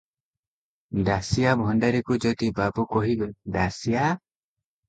ଦାସିଆ ଭଣ୍ଡାରିକୁ ଯଦି ବାବୁ କହିବେ, 'ଦାସିଆ!